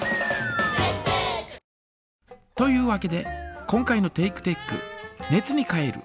というわけで今回のテイクテック「熱に変える」